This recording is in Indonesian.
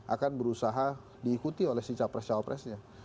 akan berusaha diikuti oleh si capres cawapresnya